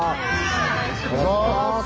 お願いします！